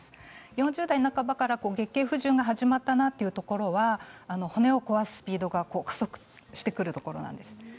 ４０代半ばから月経不順が始まったなというところは骨を壊すスピードが加速してくるところなんです。